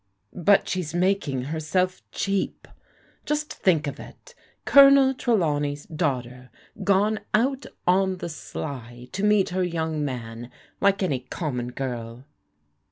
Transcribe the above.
''But she's making herself cheap. Just think of it Colonel Trelawney's daughter, gone out on the sly to meet her young man, like any common girl."